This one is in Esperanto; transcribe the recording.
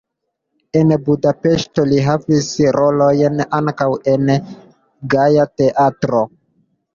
En Budapeŝto li havis rolojn ankaŭ en "Gaja Teatro".